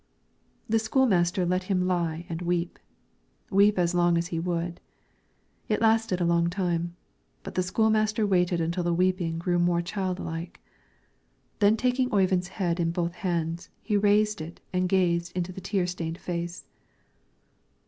The school master let him lie and weep, weep as long as he would. It lasted a long time, but the school master waited until the weeping grew more childlike. Then taking Oyvind's head in both hands, he raised it and gazed into the tear stained face.